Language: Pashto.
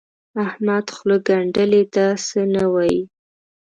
احمد خوله ګنډلې ده؛ څه نه وايي.